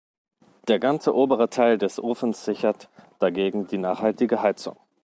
Der ganze obere Teil des Ofens sichert dagegen die nachhaltige Heizung.